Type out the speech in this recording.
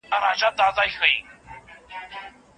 ګاونډیانو بیلچې راوړې او کوهي ته یې د خاورو اچول پیل کړل.